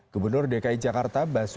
gubernur dki jakarta basu